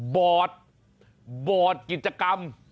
บอดบอดกิจกรรม